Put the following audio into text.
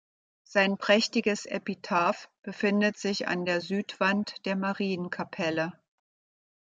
Sein prächtiges Epitaph befindet sich an der Südwand der Marienkapelle.